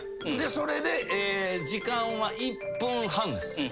それで時間は１分半です。